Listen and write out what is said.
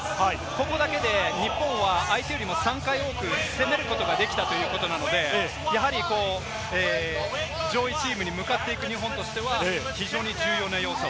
ここだけで日本は相手よりも３回多く攻めることができたということなので、やはり上位チームに向かっていく日本としては非常に重要な要素。